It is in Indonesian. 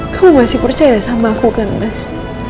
kamu masih percaya sama aku kan mas